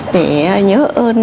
để nhớ ơn